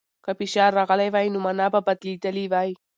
که فشار راغلی وای، نو مانا به بدلېدلې وای.